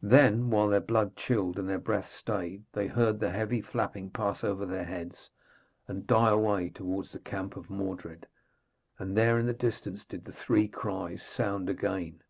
Then, while their blood chilled and their breath stayed, they heard the heavy flapping pass over their heads and die away towards the camp of Mordred; and there in the distance did the three cries sound again.